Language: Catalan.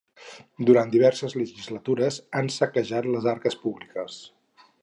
Durant diverses legislatures han saquejat les arques públiques.